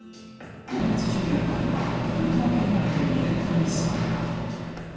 今月１４日には、群馬県内でイベントに参加。